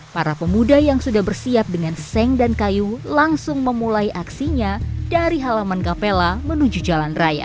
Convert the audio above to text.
para pemuda yang sudah bersiap dengan seng dan kayu langsung memulai aksinya dari halaman kapela menuju jalan raya